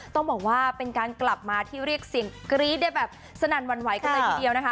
ต้องบอกว่าเป็นการกลับมาที่เรียกเสียงกรี๊ดได้แบบสนั่นหวั่นไหวกันเลยทีเดียวนะคะ